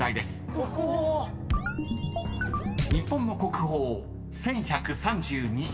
［日本の国宝１，１３２個］